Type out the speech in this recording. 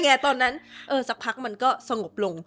มันก็สักพักมันก็สงบลง